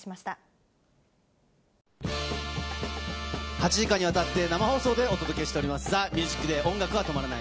８時間にわたって生放送でお届けしております、ＴＨＥＭＵＳＩＣＤＡＹ音楽は止まらない。